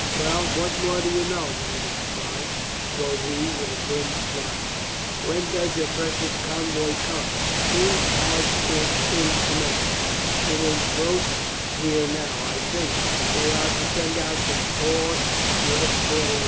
"Well, what more do you know, ma dame spy?" quoth he with a grim smile. "When does your precious convoy come? Who has it in command?" "It is close here now, I think. They are to send out some force to escort it in."